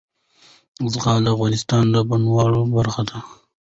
زغال د افغانستان د بڼوالۍ برخه ده.